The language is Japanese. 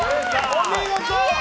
お見事！